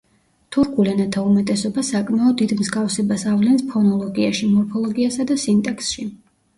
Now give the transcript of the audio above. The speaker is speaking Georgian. თურქულ ენათა უმეტესობა საკმაოდ დიდ მსგავსებას ავლენს ფონოლოგიაში, მორფოლოგიასა და სინტაქსში.